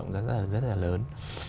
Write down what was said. rất là lớn